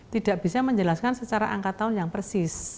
tidak bisa menjelaskan secara angka tahun yang persis